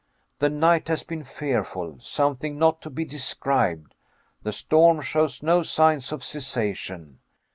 The night has been fearful, something not to be described. The storm shows no signs of cessation.